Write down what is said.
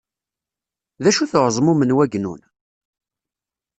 D acu-t uɛeẓmum n wagnun?